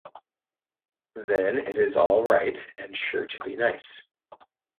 Then it is all right, and sure to be nice.